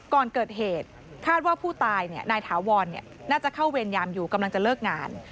ก่อนเกิดเหตุคาดว่าผู้ตายนายถาวรน่าจะเข้าเวรยามอยู่กำลังจะเลิกงาน